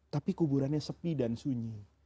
tapi kuburannya sepi dan sunyi